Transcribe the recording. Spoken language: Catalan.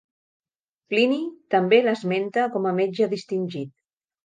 Plini també l'esmenta com a metge distingit.